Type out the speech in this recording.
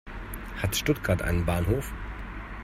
Hat Stuttgart einen Bahnhof?